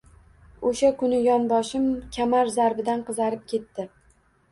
O‘sha kuni yonboshim kamar zarbidan qizarib ketdi..